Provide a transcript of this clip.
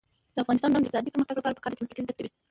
د افغانستان د اقتصادي پرمختګ لپاره پکار ده چې مسلکي زده کړې وي.